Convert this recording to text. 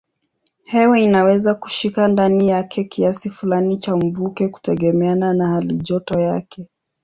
Hewa inaweza kushika ndani yake kiasi fulani cha mvuke kutegemeana na halijoto yake.